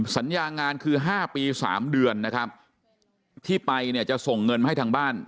สัญญางานคือ๕ปี๓เดือนนะครับที่ไปเนี่ยจะส่งเงินมาให้ทางบ้าน